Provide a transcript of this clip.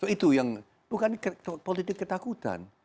itu yang bukan politik ketakutan